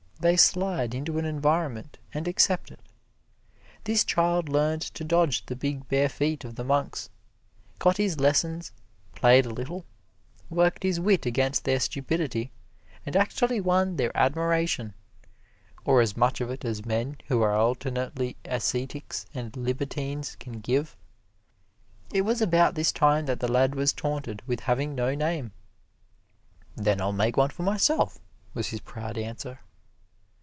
They slide into an environment and accept it. This child learned to dodge the big bare feet of the monks got his lessons, played a little, worked his wit against their stupidity, and actually won their admiration or as much of it as men who are alternately ascetics and libertines can give. It was about this time that the lad was taunted with having no name. "Then I'll make one for myself," was his proud answer.